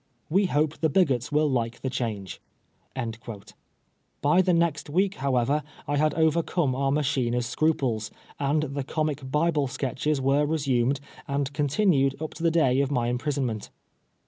We hope the bigots will like the change." By the next week, however, I had overcome our machiner's scruples, and the Comic Bible Sketches were resumed and continued up to the day of my imprisonment.